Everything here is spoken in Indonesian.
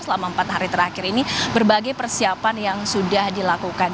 selama empat hari terakhir ini berbagai persiapan yang sudah dilakukan